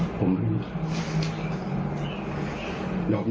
อ๋ออาจารย์ฟิลิป